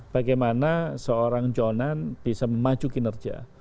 bagaimana seorang jonan bisa memaju kinerja